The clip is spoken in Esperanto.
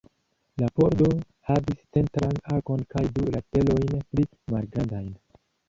La pordo havis centran arkon kaj du laterojn pli malgrandajn.